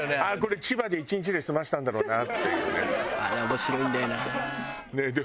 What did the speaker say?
ああこれ千葉で１日で済ませたんだろうなっていうね。